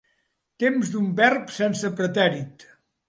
Temps d'un verb sense pretèrit.